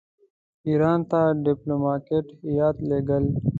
ایران ته ډیپلوماټیک هیات لېږل.